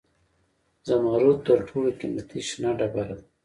زمرد تر ټولو قیمتي شنه ډبره ده.